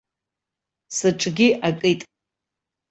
Сыҿгьы акит.